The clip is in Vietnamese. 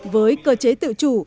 với cơ chế tự chủ